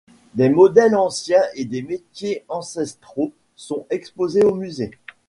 Des modèles anciens et des métiers ancestraux sont exposés au musée.